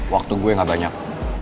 waktu gue gak banyak